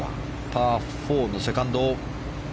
パー４のセカンド。